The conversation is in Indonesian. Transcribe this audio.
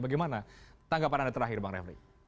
bagaimana tanggapan anda terakhir bang refli